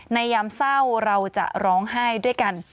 ยามเศร้าเราจะร้องไห้ด้วยกัน